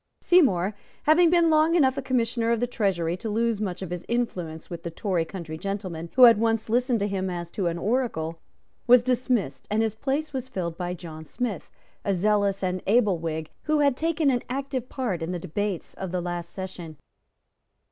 Seymour, having been long enough a Commissioner of the Treasury to lose much of his influence with the Tory country gentlemen who had once listened to him as to an oracle, was dismissed, and his place was filled by John Smith, a zealous and able Whig, who had taken an active part in the debates of the late session.